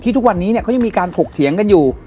ทุกวันนี้เขายังมีการถกเถียงกันอยู่